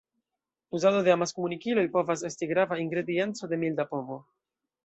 Uzado de amaskomunikiloj povas esti grava ingredienco de milda povo.